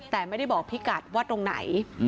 แต่ไม่ได้บอกพี่กัดว่าตรงไหน